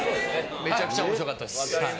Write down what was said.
めちゃくちゃおもしろかったです。